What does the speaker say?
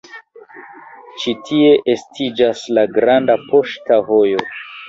Ĉi tie estiĝas la Granda Poŝta Vojo.